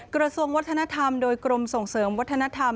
กระทรวงวัฒนธรรมโดยกรมส่งเสริมวัฒนธรรม